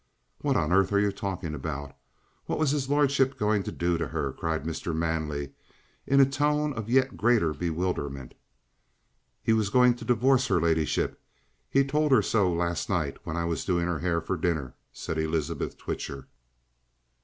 "What on earth are you talking about? What was his lordship going to do to her?" cried Mr. Manley, in a tone of yet greater bewilderment. "He was going to divorce her ladyship. He told her so last night when I was doing her hair for dinner," said Elizabeth Twitcher.